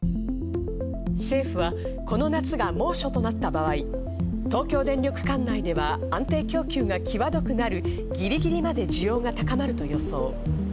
政府はこの夏が猛暑となった場合、東京電力管内では安定供給がきわどくなるぎりぎりまで需要が高まる予想。